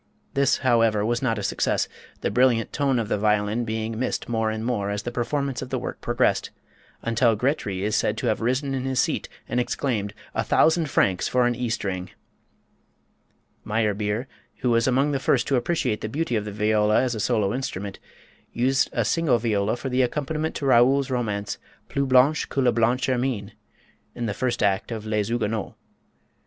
This, however, was not a success, the brilliant tone of the violin being missed more and more as the performance of the work progressed, until Grétry is said to have risen in his seat and exclaimed: "A thousand francs for an E string!" Meyerbeer, who was among the first to appreciate the beauty of the viola as a solo instrument, used a single viola for the accompaniment to Raoul's romance, "Plus blanche que la blanche hermine," in the first act of "Les Huguenots."